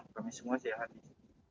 kami semua sehat